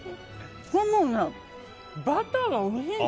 バターがおいしい。